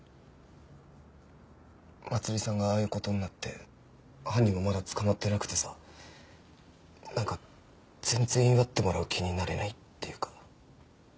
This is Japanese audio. まつりさんがああいう事になって犯人もまだ捕まってなくてさなんか全然祝ってもらう気になれないっていうか。